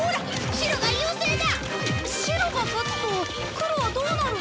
白が勝つと黒はどうなるの？